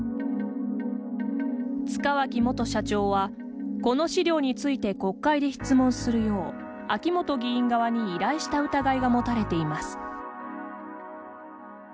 塚脇元社長は、この資料について国会で質問するよう秋本議員側に依頼した疑いがもたれています。